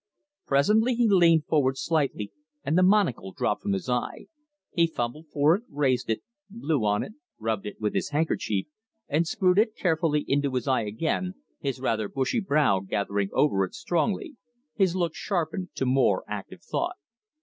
Presently he leaned forward slightly and the monocle dropped from his eye. He fumbled for it, raised it, blew on it, rubbed it with his handkerchief, and screwed it carefully into his eye again, his rather bushy brow gathering over it strongly, his look sharpened to more active thought.